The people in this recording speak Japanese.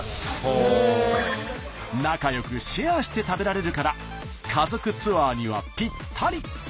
仲よくシェアして食べられるから家族ツアーにはぴったり！